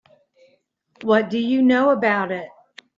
What do you know about it?